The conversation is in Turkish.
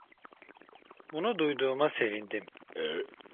Bunu duyduğuma sevindim.